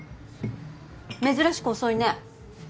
珍しく遅いね。